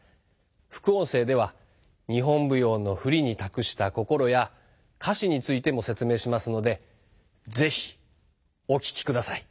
副音声では日本舞踊の振りに託した心や歌詞についても説明しますので是非お聞きください。